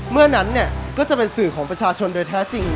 เมื่อนั้นเนี่ยก็จะเป็นสื่อของประชาชนโดยแท้จริง